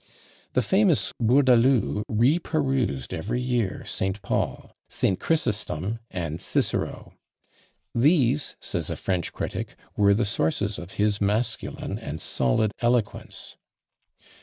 The famous Bourdaloue re perused every year Saint Paul, Saint Chrysostom, and Cicero. "These," says a French critic, "were the sources of his masculine and solid eloquence."